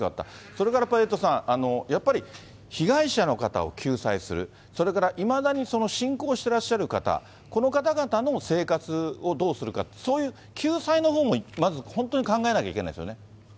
それからやっぱりエイトさん、やっぱり被害者の方を救済する、それからいまだに信仰してらっしゃる方、この方々の生活をどうするか、そういう救済のほうもまず本当に考えなきゃいけないですよね。